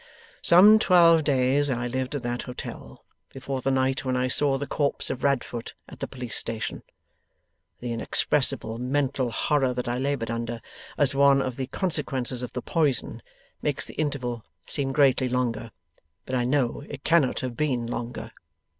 'Some twelve days I lived at that hotel, before the night when I saw the corpse of Radfoot at the Police Station. The inexpressible mental horror that I laboured under, as one of the consequences of the poison, makes the interval seem greatly longer, but I know it cannot have been longer.